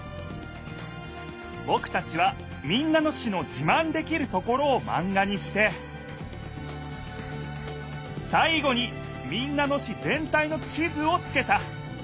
ぼくたちは民奈野市のじまんできるところをマンガにしてさい後に民奈野市ぜん体の地図をつけた。